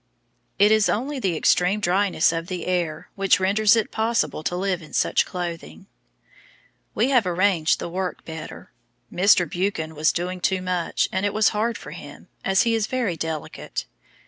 It is only the extreme dryness of the air which renders it possible to live in such clothing. We have arranged the work better. Mr. Buchan was doing too much, and it was hard for him, as he is very delicate.